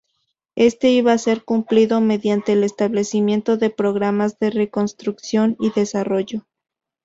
Este iba a ser cumplido mediante el establecimiento de programas de reconstrucción y desarrollo.